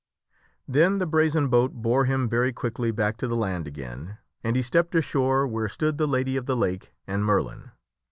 Then the brazen boat bore him very quickly back to the land again and he stepped ashore where stood the Lady of the Lake and Merlin.